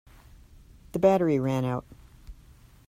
The battery ran out.